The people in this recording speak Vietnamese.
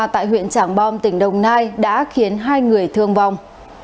tại huyện trảng bom tỉnh đồng nai đã khiến hai người thương vong